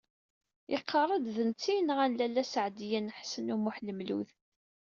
Iqarr-d d netta ay yenɣan Lalla Seɛdiya n Ḥsen u Muḥ Lmlud.